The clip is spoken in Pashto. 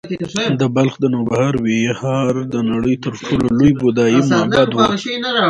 د بلخ د نوبهار ویهار د نړۍ تر ټولو لوی بودایي معبد و